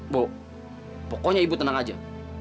bu pokoknya ibu tenang aja